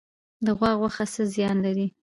د غوا غوښه څه زیان لري؟